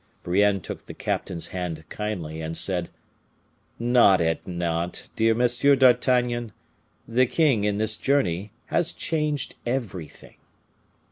Brienne took the captain's hand kindly, and said, "Not at Nantes, dear Monsieur d'Artagnan. The king, in this journey, has changed everything."